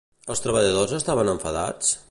Els treballadors estaven enfadats?